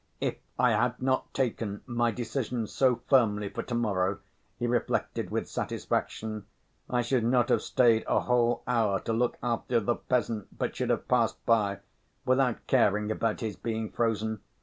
"If I had not taken my decision so firmly for to‐morrow," he reflected with satisfaction, "I should not have stayed a whole hour to look after the peasant, but should have passed by, without caring about his being frozen.